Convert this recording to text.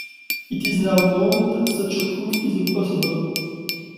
It is now known that such a proof is impossible.